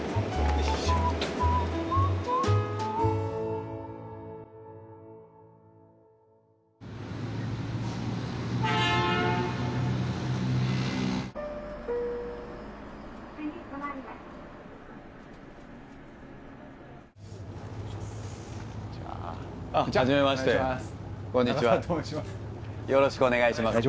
よろしくお願いします。